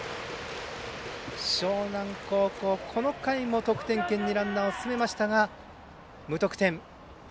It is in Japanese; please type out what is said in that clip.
樟南高校、この回も得点圏にランナーを進めましたが無得点。